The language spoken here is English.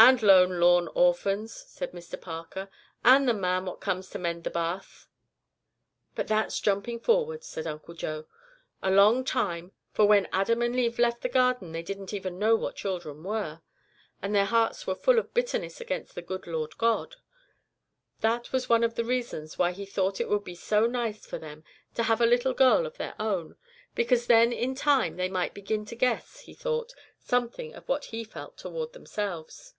"And lone, lorn orphans," said Mr Parker, "and the man what comes to mend the bath." "But that's jumping forward," said Uncle Joe, "a long time, for when Adam and Eve left the Garden they didn't even know what children were, and their hearts were full of bitterness against the good Lord God. That was one of the reasons why He thought it would be so nice for them to have a little girl of their own, because then in time they might begin to guess, He thought, something of what He felt toward themselves.